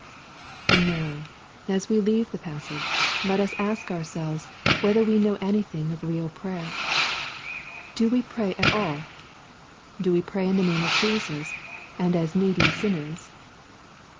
And now, as we leave the passage, let us ask ourselves whether we know anything of real prayer ? Do we pray at all ?— Do we pray in the name of Jesus, and as needy sinners